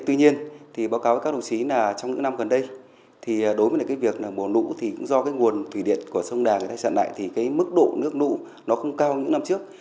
tuy nhiên báo cáo với các đồng chí là trong những năm gần đây đối với việc mùa lũ do nguồn thủy điện của sông đà thay trận lại thì mức độ nước lũ không cao như những năm trước